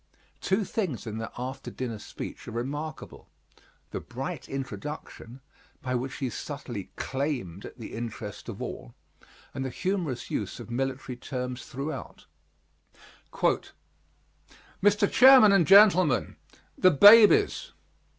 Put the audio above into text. Two things in that after dinner speech are remarkable: the bright introduction, by which he subtly claimed the interest of all, and the humorous use of military terms throughout: Mr. Chairman and Gentlemen: "The Babies."